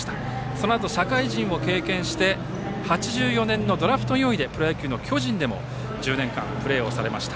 そのあと社会人を経験して８４年のドラフト４位でプロ野球の巨人でも１０年間、プレーされました。